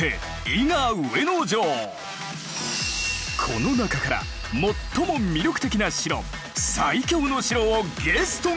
この中から最も魅力的な城「最強の城」をゲストが決定！